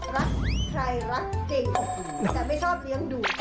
รักใครรักจริงแต่ไม่ชอบเลี้ยงดู